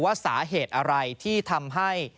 ว่าสาเหตุอะไรที่ทำให้